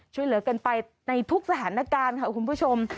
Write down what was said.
ช่วยเหลือกันไปในทุกสถานการณ์ค่ะคุณผู้ชม